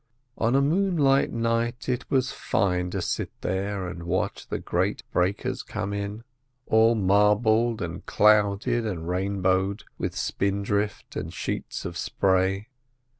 On a moonlight night it was fine to sit here and watch the great breakers coming in, all marbled and clouded and rainbowed with spindrift and sheets of spray.